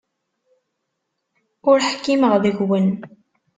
Ur ḥkimeɣ deg-went.